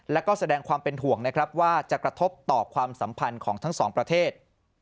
และก็แสดงความเป็นห่วงนะครับว่าจะกระทบต่อความสัมพันธ์ของทั้งสองประเทศ